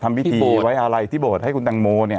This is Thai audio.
ทำวิธีที่บทไว้อาละที่บทให้คุณตังโมเนี่ย